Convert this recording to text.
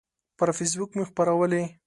پر فیسبوک مې خپرولی